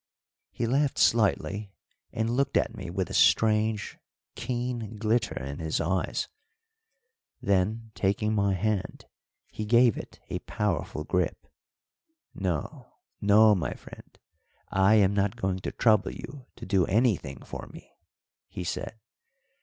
He laughed slightly and looked at me with a strange, keen glitter in his eyes; then, taking my hand, he gave it a powerful grip. "No, no, my friend, I am not going to trouble you to do anything for me," he said.